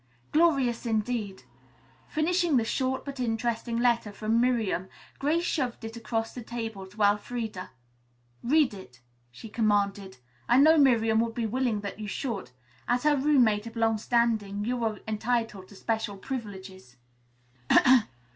"Glorious indeed." Finishing the short but interesting letter from Miriam, Grace shoved it across the table to Elfreda. "Read it," she commanded. "I know Miriam would be willing that you should. As her roommate of long standing you are entitled to special privileges."